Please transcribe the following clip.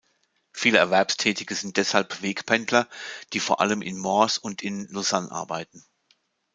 Viele Erwerbstätige sind deshalb Wegpendler, die vor allem in Morges und in Lausanne arbeiten.